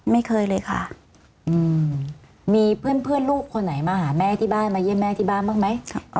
ไม่เคยเลยค่ะมีเพื่อนลูกคนไหนมาหาแม่ที่บ้านมาเยี่ยมแม่ที่บ้านบ้างไหม